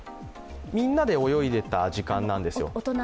みんなで泳いでいた時間なんですよ。